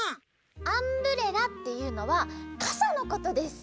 アンブレラっていうのはかさのことです。